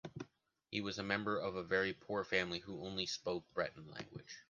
He was a member of a very poor family who only spoke Breton language.